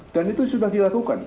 dan itu sudah dilakukan